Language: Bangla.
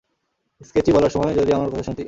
স্কেচি বলার সময় যদি আমার কথা শুনতি।